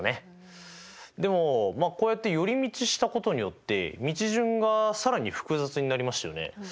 でもこうやって寄り道したことによって道順が更に複雑になりましたよね。